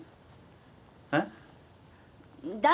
えっ？